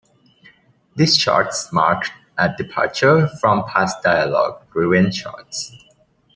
These shorts marked a departure from past dialogue-driven shorts.